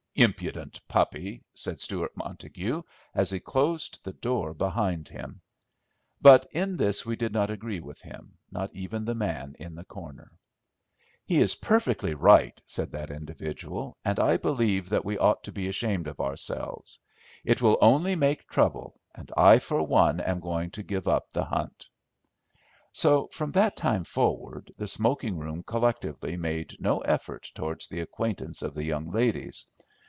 "Impudent puppy," said Stewart Montague, as he closed the door behind him. But in this we did not agree with him, not even the man in the corner. "He is perfectly right," said that individual, "and I believe that we ought to be ashamed of ourselves. It will only make trouble, and I for one am going to give up the hunt." So, from that time forward, the smoking room collectively made no effort towards the acquaintance of the young ladies.